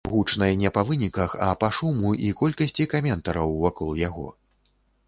Гучнай не па выніках, а па шуму і колькасці каментараў вакол яго.